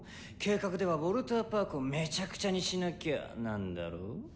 計画ではウォルターパークをメチャクチャに「しなきゃ」なんだろう？